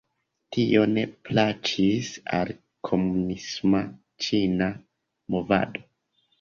Tio ne plaĉis al komunisma ĉina movado.